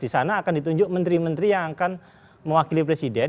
di sana akan ditunjuk menteri menteri yang akan mewakili presiden